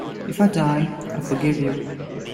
If I die, I forgive you.